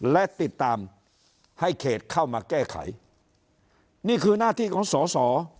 และติดตามให้เขตเข้ามาแก้ไขนี่คือหน้าที่ของสอสอ